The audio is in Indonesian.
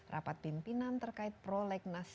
rapat pimpinan terkait prolegnas